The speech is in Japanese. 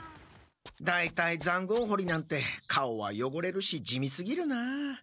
だいたいざんごうほりなんて顔はよごれるし地味すぎるな。